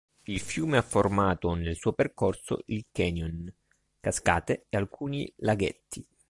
Il fiume ha formato, nel suo percorso, il canyon, cascate e alcuni laghetti.